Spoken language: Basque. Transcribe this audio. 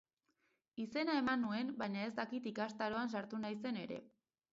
Izena eman nuen baina ez dakit ikastaroan sartu naizen ere.